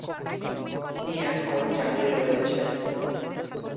তিনি এখন জামিনে রয়েছেন।